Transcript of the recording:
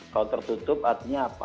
kalau tertutup artinya apa